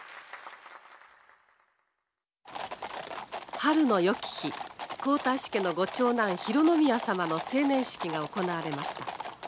「春のよき日皇太子家のご長男浩宮さまの成年式が行われました」。